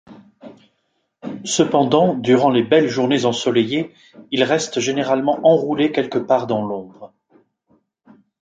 Cependant, durant les belles journées ensoleillées, ils restent généralement enroulés quelque part dans l'ombre.